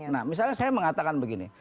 nah misalnya saya mengatakan begini